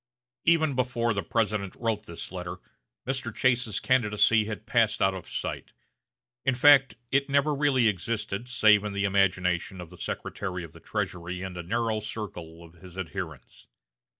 Even before the President wrote this letter, Mr. Chase's candidacy had passed out of sight. In fact, it never really existed save in the imagination of the Secretary of the Treasury and a narrow circle of his adherents.